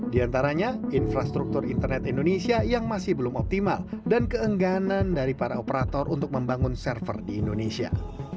di antaranya infrastruktur internet indonesia yang masih belum optimal dan keengganan dari para operator untuk membangun server di indonesia